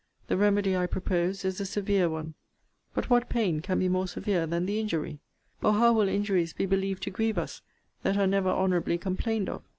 The remedy I propose is a severe one: But what pain can be more severe than the injury? Or how will injuries be believed to grieve us, that are never honourably complained of?